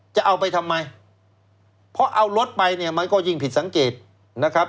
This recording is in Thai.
จะเอาไปทำไมเพราะเอารถไปเนี่ยมันก็ยิ่งผิดสังเกตนะครับ